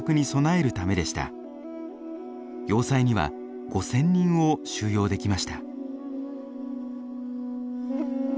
要塞には５，０００人を収容できました。